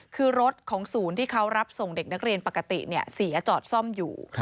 คือรถของศูนย์ที่เขารับส่งเด็กนักเรียนปกติเสียจอดซ่อมอยู่